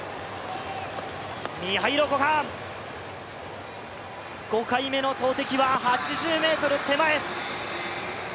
ミハイロ・コカーン、５回目の投てきは８０ｍ手前。